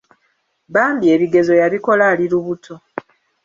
Bambi ebigezo yabikola ali lubuto.